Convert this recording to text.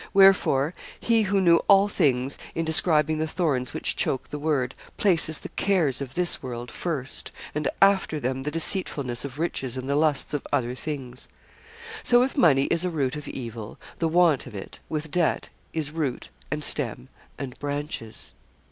Wherefore, He who knew all things, in describing the thorns which choke the word, places the cares of this world first, and after them the deceitfulness of riches and the lusts of other things. So if money is a root of evil, the want of it, with debt, is root, and stem, and branches.